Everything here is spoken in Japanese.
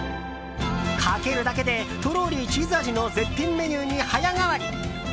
かけるだけでとろりチーズ味の絶品メニューに早変わり！